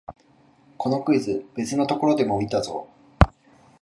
このクイズ、別のところでも見たぞ